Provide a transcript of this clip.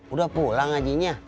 udah pulang hajinya